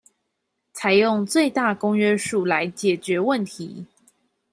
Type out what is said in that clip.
採用最大公約數來解決問題